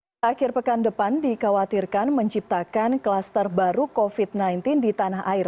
pada akhir pekan depan dikhawatirkan menciptakan kluster baru covid sembilan belas di tanah air